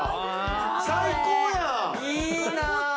最高やん！